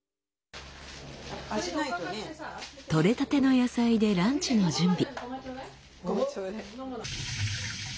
取れたての野菜でランチの準備。